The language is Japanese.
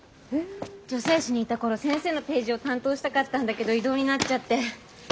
女性誌にいた頃先生のページを担当したかったんだけど異動になっちゃって。